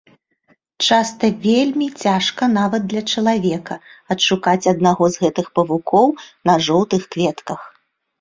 Часта вельмі цяжка нават для чалавека адшукаць аднаго з гэтых павукоў на жоўтых кветках.